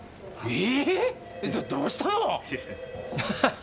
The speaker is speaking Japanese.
え